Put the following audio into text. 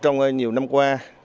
trong nhiều năm qua